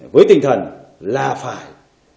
với tinh thần là phải